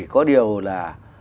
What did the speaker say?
có điều là